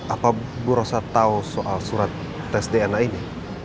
apa bu rosa tahu soal surat tes dna ini